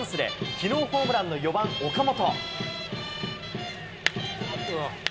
きのうホームランの４番岡本。